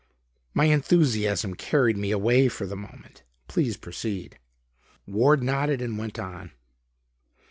"My enthusiasm carried me away for the moment. Please proceed." Ward nodded and went on.